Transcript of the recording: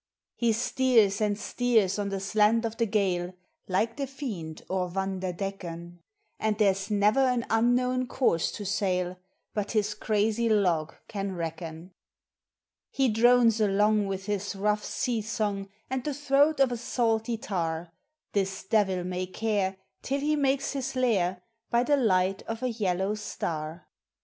He steers and steers on the slant of the gale, Like the fiend or Vanderdecken ; And there ? s never an unknown course to sail But his crazy log can reckon. He drones along with his rough sea song And the throat of a salty tar, This devil may care, till he makes his lair By the light of a yellow star.